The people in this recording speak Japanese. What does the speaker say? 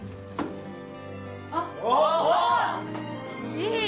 いい！